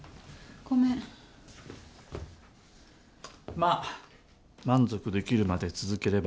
まあ満足できるまで続ければ？